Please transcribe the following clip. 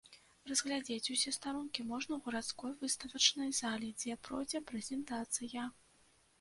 Разгледзець усе старонкі можна ў гарадской выставачнай зале, дзе пройдзе прэзентацыя.